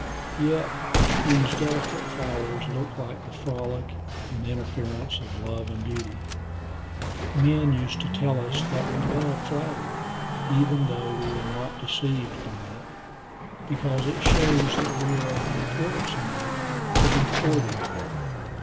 Yet these delicate flowers look like the frolic and interference of love and beauty. Men used to tell us that we love flattery, even though we are not deceived by it, because it shows that we are of importance enough to be courted.